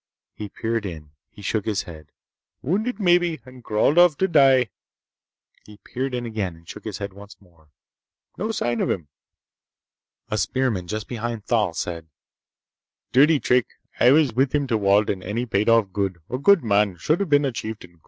He peered in. He shook his head. "Wounded, maybe, and crawled off to die." He peered in again and shook his head once more. "No sign of 'im." A spearman just behind Thal said: "Dirty trick! I was with him to Walden, and he paid off good! A good man! Shoulda been a chieftain!